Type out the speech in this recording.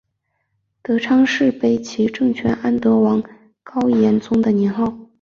德昌是北齐政权安德王高延宗的年号。